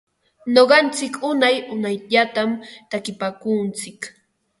Nuqantsik unay unayllatam takinpaakuntsik.